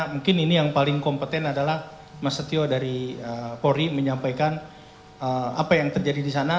mungkin ini yang paling kompeten adalah mas setio dari polri menyampaikan apa yang terjadi di sana